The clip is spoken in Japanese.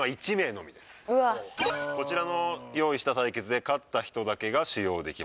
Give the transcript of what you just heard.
「こちらの用意した対決で勝った人だけが使用できます」